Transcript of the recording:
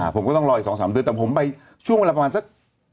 ผมก็ต้องรออีก๒๓เดือนแต่ผมไปช่วงเวลาประมาณสัก